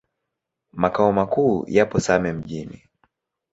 Makao makuu yapo Same Mjini.